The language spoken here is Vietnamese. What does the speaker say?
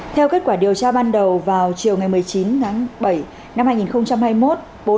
theo kết quả điều tra ban đầu vào chiều một mươi chín bảy hai nghìn hai mươi một